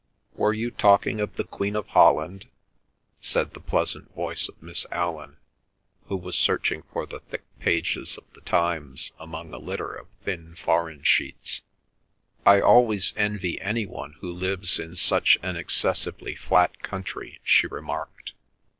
"Were you talking of the Queen of Holland?" said the pleasant voice of Miss Allan, who was searching for the thick pages of The Times among a litter of thin foreign sheets. "I always envy any one who lives in such an excessively flat country," she remarked.